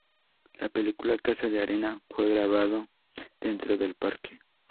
La película Casa de Arena fue grabado dentro del parque.